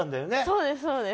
そうです、そうです。